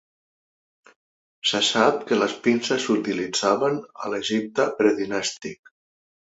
Se sap que les pinces s'utilitzaven a l'Egipte predinàstic.